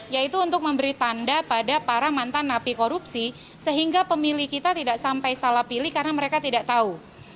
yaitu untuk memberi tanda pada para mantan napi korupsi sehingga pemilih kita tidak sampai salah pilih karena mereka tidak tahu